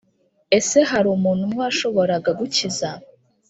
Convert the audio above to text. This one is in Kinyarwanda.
Ese hari umuntu umwe washoboraga gukiza